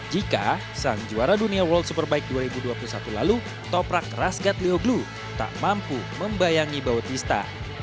jika sang juara dunia world superbike dua ribu dua puluh satu lalu toprak rasgat leoglu tak mampu membayangi bautista